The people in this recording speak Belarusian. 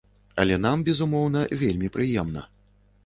Але нам, безумоўна, вельмі прыемна.